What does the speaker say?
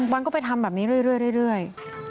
วันก็ไปทำแบบนี้เรื่อย